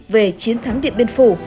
về chiến thắng điện biên phủ